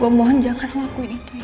gue mohon jangan lakuin itu ya